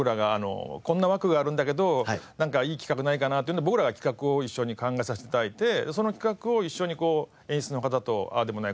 こんな枠があるんだけどいい企画ないかなというので僕らが企画を一緒に考えさせて頂いてその企画を一緒に演出の方とああでもない